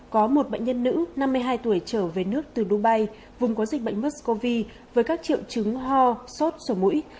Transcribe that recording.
có một bệnh nhân nữ năm mươi hai tuổi trở về nước từ dubai vùng có dịch bệnh mexcov với các triệu chứng ho sốt sổ mũi